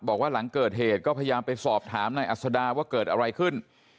บอกว่าหลังเกิดเหตุก็พยายามไปสอบถามนายอัศดาว่าเกิดอะไรขึ้น